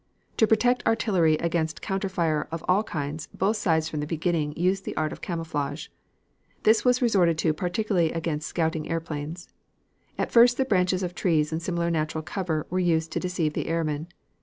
To protect artillery against counter fire of all kinds, both sides from the beginning used the art of camouflage. This was resorted to particularly against scouting airplanes. At first the branches of trees and similar natural cover were used to deceive the airmen.